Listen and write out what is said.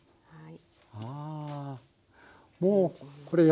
はい。